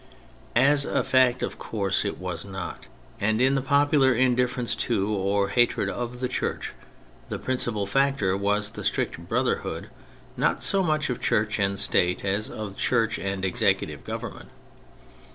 As a fact, of course it was not : and in the popular indifference to or hatred of the Church the principal factor was the strict brotherhood not so much of Church and State as of Church and executive Government.